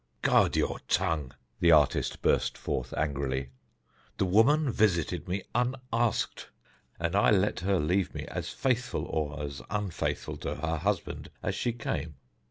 "Guard your tongue!" the artist burst forth angrily. "The woman visited me unasked, and I let her leave me as faithful or as unfaithful to her husband as she came.